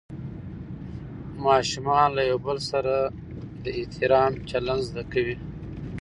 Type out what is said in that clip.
ماشومان له یو بل سره د احترام چلند زده کوي